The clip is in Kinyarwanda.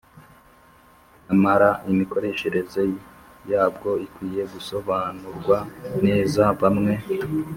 Nyamara imikoreshereze yabwo ikwiye gusobanurwa neza Bamwe